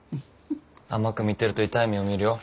甘く見てると痛い目を見るよ。